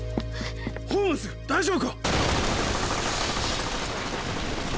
ホームズ大丈夫か！